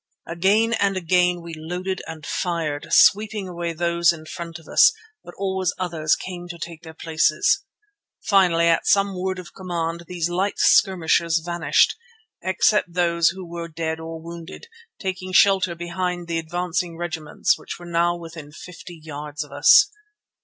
Again and again we loaded and fired, sweeping away those in front of us, but always others came to take their places. Finally at some word of command these light skirmishers vanished, except whose who were dead or wounded, taking shelter behind the advancing regiments which now were within fifty yards of us.